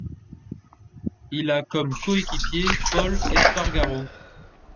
Il a comme co-équipier Pol Espargaro.